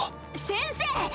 先生！